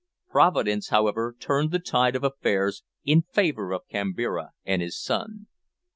Providence, however, turned the tide of affairs in favour of Kambira and his son.